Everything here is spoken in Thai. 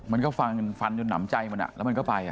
มันก็ฟันฟันจนหนำใจมันแล้วมันก็ไป